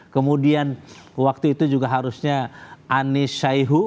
kemudian waktu itu juga harusnya anies syaihu